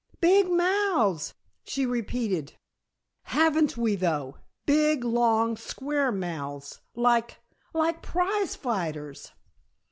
"Big mouths!" she repeated. "Haven't we, though? Big, long, square mouths like, like prize fighters."